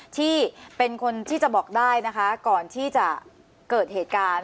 ที่เป็นคนที่จะบอกได้นะคะก่อนที่จะเกิดเหตุการณ์